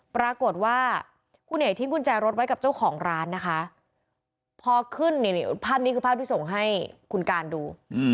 ปรากฏว่าคุณเอกทิ้งกุญแจรถไว้กับเจ้าของร้านนะคะพอขึ้นภาพนี้คือภาพที่ส่งให้คุณการดู